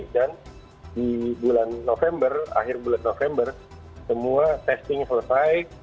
dan di bulan november akhir bulan november semua testing selesai